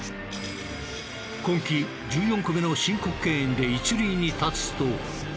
今季１４個目の申告敬遠で一塁に立つと。